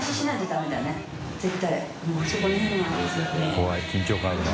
怖い緊張感あるな。